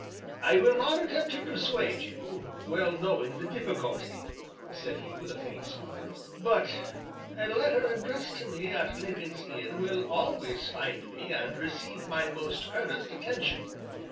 "I will not attempt to dissuade you, well knowing the difficulty," said he, with a faint smile, "but a letter addressed to me at Lincoln's Inn will always find me and receive my most earnest attention."